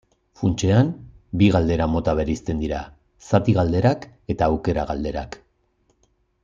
Funtsean, bi galdera-mota bereizten dira: zati-galderak eta aukera-galderak.